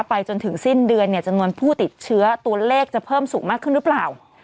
ไปจนถึงสิ้นเดือนเนี่ยจำนวนผู้ติดเชื้อตัวเลขจะเพิ่มสูงมากขึ้นหรือเปล่า